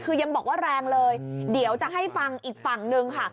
คือยังบอกว่าแรงเลยเดี๋ยวจะให้ฟังอีกฝั่งหนึ่งค่ะ